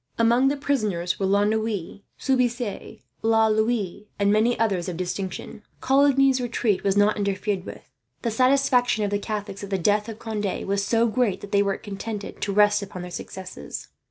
Among the prisoners were La Noue, Soubise, La Loue, and many others of distinction. Coligny's retreat was not interfered with. The satisfaction of the Catholics at the death of Conde was so great that they were contented to rest upon their success.